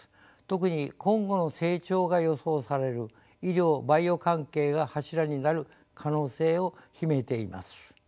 特に今後の成長が予想される医療・バイオ関係が柱になる可能性を秘めています。